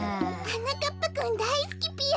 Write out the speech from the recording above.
はなかっぱくんだいすきぴよ。